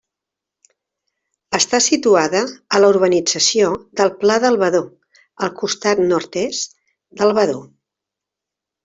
Està situada a la urbanització del Pla del Badó, al costat nord-est del Badó.